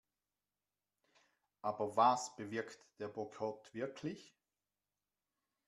Aber was bewirkt der Boykott wirklich?